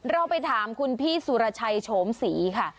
เราไปถามคุณพี่สุรชัยโฉมศรีค่ะ